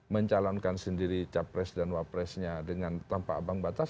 mencalonkan sendiri capres dan wapresnya dengan tanpa abang batas